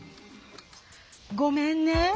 ごめんね。